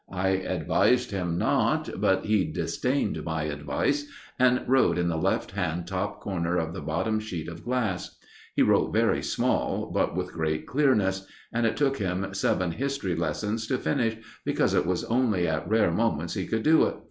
I advised him not, but he disdained my advice, and wrote in the left hand top corner of the bottom sheet of glass. He wrote very small, but with great clearness, and it took him seven history lessons to finish, because it was only at rare moments he could do it.